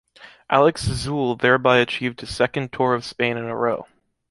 Alex Zülle thereby achieved his second Tour of Spain in a row.